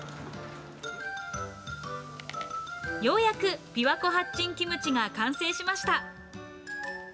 ようやく琵琶湖八珍キムチが完成しました。